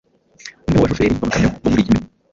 Umwe mu bashoferi b’amakamyo bo muri Yemen